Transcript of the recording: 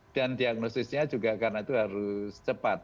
dan diagnosisnya juga karena itu harus cepat